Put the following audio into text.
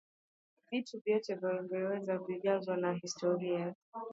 Vitu vyote vya Uingereza vijazwa na historia